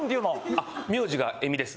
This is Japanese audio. あ名字がエミです。